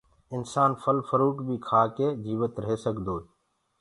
انسآن ڦل ڦروٽ بي کآڪي جيوت ريه سگدوئي